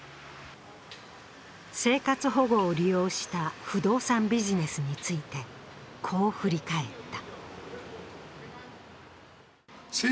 生活保護を利用した不動産ビジネスについてこう振り返った。